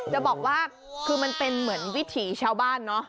จะบอกว่าคือมันเป็นเหมือนวิถีชาวบ้านเนอะ